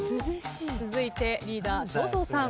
続いてリーダー正蔵さん。